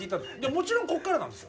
もちろんこっからなんです